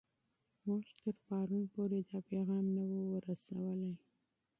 موږ تر پرون پورې دا پیغام نه و رسوولی.